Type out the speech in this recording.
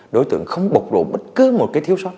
đối tượng không bộc rộ bất cứ một thiếu sót